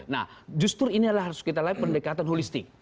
nah justru ini harus kita lihat pendekatan holistik